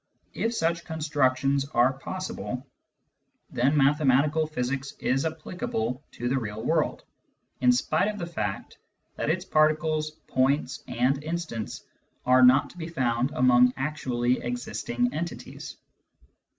If such constructions are possible, then mathematical physics is applicable to the real world, in spite of the fact that its particles, points, and instants are not to be found among actually existing entities.